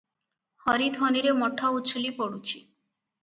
ହରିଧ୍ୱନିରେ ମଠ ଉଛୁଳି ପଡ଼ୁଛି ।